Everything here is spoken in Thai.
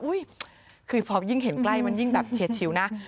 คือพอยิ่งเห็นใกล้มันยิ่งแบบเฉียดชิวนะ